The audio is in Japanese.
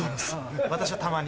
私はたまに。